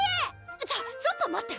ちょちょっと待って！